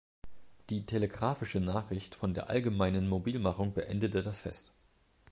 Die telegraphische Nachricht von der allgemeinen Mobilmachung beendete das Fest.